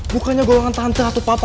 bukannya golongan tante atau papa